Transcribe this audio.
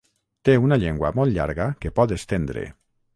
Té una llengua molt llarga que pot estendre.